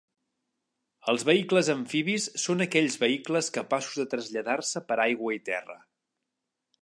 Els vehicles amfibis són aquells vehicles capaços de traslladar-se per aigua i terra.